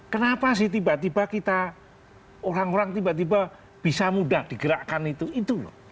kenapa sih tiba tiba kita orang orang tiba tiba bisa mudah digerakkan itu itu loh